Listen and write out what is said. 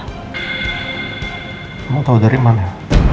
kamu tau dari mana